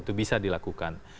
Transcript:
itu bisa dilakukan